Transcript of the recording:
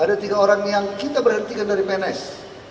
ada tiga orang yang kita berhentikan dari pns